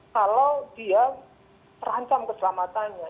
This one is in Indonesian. kalau dia terancam keselamatannya